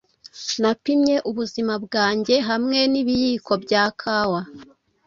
Napimye ubuzima bwanjye hamwe nibiyiko bya kawa